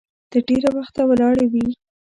تر ډېره وخته ولاړې وي.